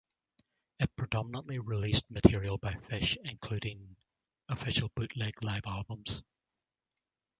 It predominantly released material by Fish, including 'official bootleg' live albums.